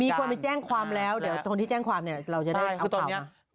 มีคนไปแจ้งความแล้วแต่คนที่แจ้งความเนี่ยเราจะได้เอากล่าวไหม